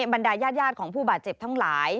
บรรดายาดของผู้บาดเจ็บทั้งหลาย